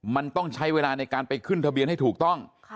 มันต้องใช้เวลาในการไปขึ้นทะเบียนให้ถูกต้อง